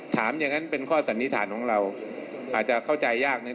อย่างนั้นเป็นข้อสันนิษฐานของเราอาจจะเข้าใจยากนะ